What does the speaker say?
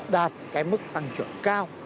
đạt cái mức tăng trưởng cao